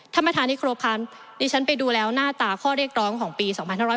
ท่านประธานที่ครบค่ะดิฉันไปดูแล้วหน้าตาข้อเรียกร้องของปี๒๕๖๐